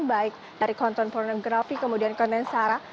baik dari konten pornografi kemudian konten sara